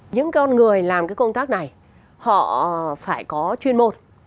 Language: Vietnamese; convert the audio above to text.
những con người làm cái công tác này họ phải có chuyên môn